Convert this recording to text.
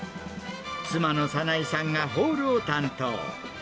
妻の早苗さんがホールを担当。